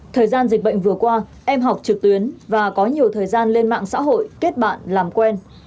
thời gian dịch bệnh vừa qua em học trực tuyến và có nhiều thời gian lên mạng xã hội kết bạn làm quen